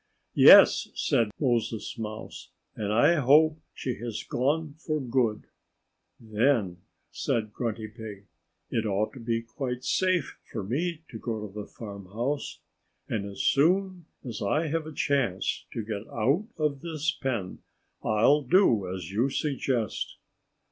"Yes!" said Moses Mouse. "And I hope she has gone for good." "Then," said Grunty Pig, "it ought to be quite safe for me to go to the farmhouse. And as soon as I have a chance to get out of this pen I'll do as you suggest."